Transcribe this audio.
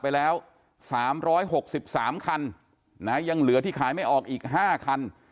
ไปแล้ว๓๖๓คันยังเหลือที่ขายไม่ออกอีก๕คัน